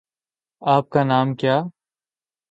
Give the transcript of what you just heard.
آپ کا نام کیا